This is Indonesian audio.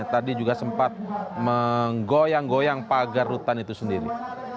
tadi juga sempat menggoyang goyang pagar rutan itu sendiri